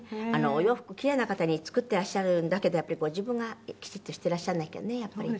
お洋服奇麗な方に作ってらっしゃるんだけどご自分がきちっとしてらっしゃらなきゃねやっぱり。